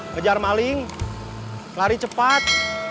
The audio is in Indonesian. ngejar maling lari cepat